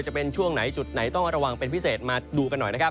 จะเป็นช่วงไหนจุดไหนต้องระวังเป็นพิเศษมาดูกันหน่อยนะครับ